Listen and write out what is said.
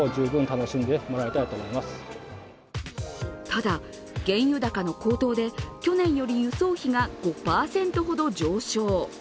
ただ、原油高の高騰で去年より輸送費が５％ほど上昇。